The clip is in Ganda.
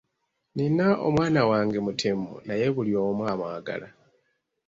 Nnina omwana wange mutemu naye buli omu amwagala.